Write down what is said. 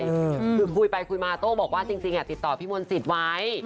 กลุ่มพูดไปคุยมาโต้บอกว่าจริงสิงหลังจะติดต่อพี่มณศิษย์ไว้